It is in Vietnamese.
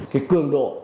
cái cường độ